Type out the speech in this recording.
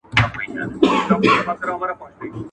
منت واخله، ولي منت مکوه.